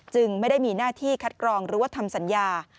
ไม่ได้มีหน้าที่คัดกรองหรือว่าทำสัญญา